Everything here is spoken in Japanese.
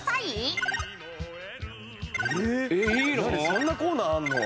そんなコーナーあるの？